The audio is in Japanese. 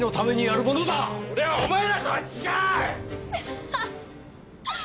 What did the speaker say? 俺はお前らとは違う！